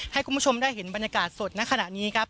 ให้คุณผู้ชมได้เห็นบรรยากาศสดในขณะนี้ครับ